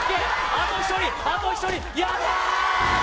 あと１人あと１人やった！